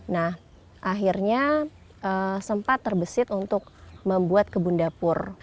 nah akhirnya sempat terbesit untuk membuat kebun dapur